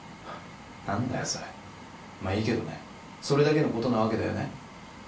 何だよそれまあいいけどねそれだけのことなわけだよね？